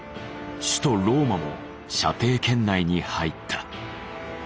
首都ローマも射程圏内に入った。